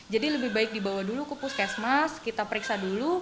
jadi lebih baik dibawa dulu ke puskesmas kita periksa dulu